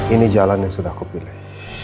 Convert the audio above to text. ini jalan yang sudah kupilih